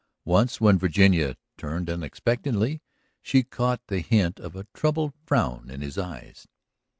Once, when Virginia turned unexpectedly, she caught the hint of a troubled frown in his eyes.